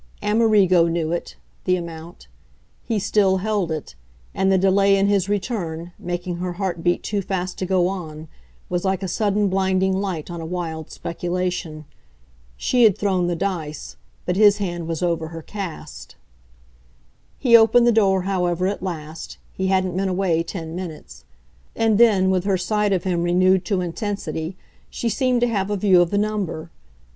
Amerigo knew it, the amount; he still held it, and the delay in his return, making her heart beat too fast to go on, was like a sudden blinding light on a wild speculation. She had thrown the dice, but his hand was over her cast. He opened the door, however, at last he hadn't been away ten minutes; and then, with her sight of him renewed to intensity, she seemed to have a view of the number.